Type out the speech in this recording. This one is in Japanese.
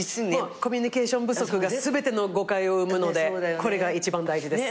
コミュニケーション不足が全ての誤解を生むのでこれが一番大事です。